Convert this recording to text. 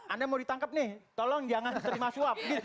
anda mau ditangkap nih tolong jangan terima suap